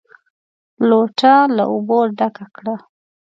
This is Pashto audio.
لوټه له اوبو ډکه کړه!